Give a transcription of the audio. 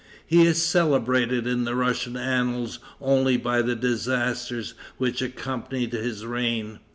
He is celebrated in the Russian annals only by the disasters which accompanied his reign.